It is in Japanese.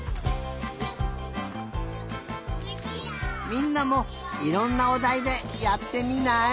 みんなもいろんなおだいでやってみない？